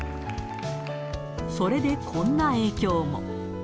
それでこんな影響も。